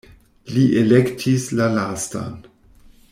Li elektis la lastan.